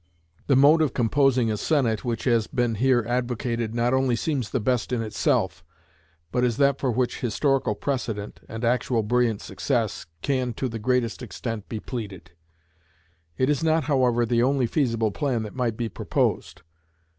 The mode of composing a Senate which has been here advocated not only seems the best in itself, but is that for which historical precedent and actual brilliant success can to the greatest extent be pleaded. It is not however the only feasible plan that might be proposed.